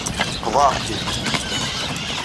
Qeḍɛeɣ-k-id.